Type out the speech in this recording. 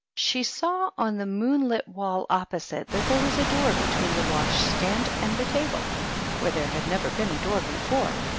She saw on the moonlit wall opposite that there was a door between the washstand and the table, where there had never been a door before.